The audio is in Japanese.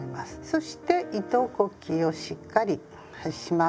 そして糸こきをしっかりします。